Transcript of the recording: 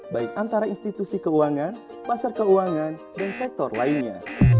baik antara institusi keuangan pasar keuangan dan sektor lainnya